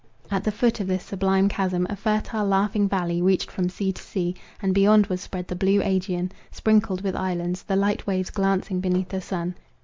At the foot of this sublime chasm, a fertile laughing valley reached from sea to sea, and beyond was spread the blue Aegean, sprinkled with islands, the light waves glancing beneath the sun.